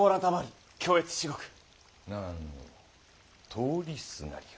通りすがりよ。